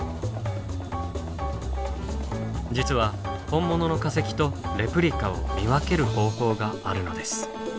実は本物の化石とレプリカを見分ける方法があるのです。